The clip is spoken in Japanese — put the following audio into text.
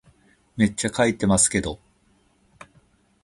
めっちゃ書いてますけど